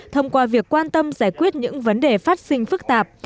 thông qua việc quan tâm giải quyết những vấn đề phát sinh phức tạp